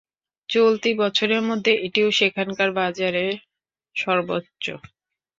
চলতি বছরের মধ্যে এটিও সেখানকার বাজারে সর্বোচ্চ।